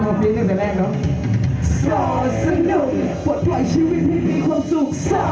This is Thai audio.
หยุดมีท่าหยุดมีท่า